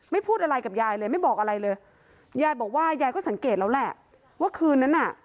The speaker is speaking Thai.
พูดอะไรกับยายเลยไม่บอกอะไรเลยยายบอกว่ายายก็สังเกตแล้วแหละว่าคืนนั้นน่ะ